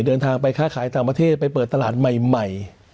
เดินทางไปค้าขายต่างประเทศไปเปิดตลาดใหม่